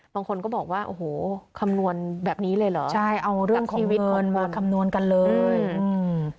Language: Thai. บางคนก็บอกว่าโอ้โหคำนวณแบบนี้เลยเหรอใช่เอาเรื่องชีวิตคนมาคำนวณกันเลยอืม